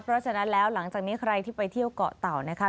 เพราะฉะนั้นแล้วหลังจากนี้ใครที่ไปเที่ยวเกาะเต่านะคะ